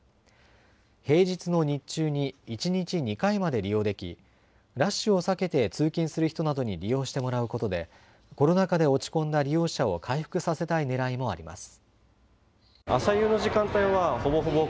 平日の日中に一日２回まで利用でき、ラッシュを避けて通勤する人などに利用してもらうことでコロナ禍で落ち込んだ利用者を回復させたいねらいもあります。